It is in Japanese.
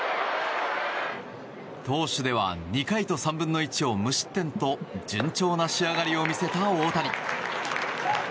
投手では２回と３分の１を無失点と順調な仕上がりを見せた大谷。